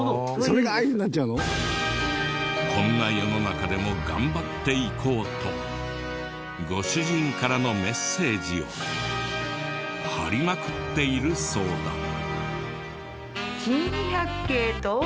こんな世の中でも頑張っていこうとご主人からのメッセージを貼りまくっているそうだ。